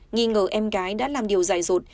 nghĩ ngờ em gái đã làm điều dại rột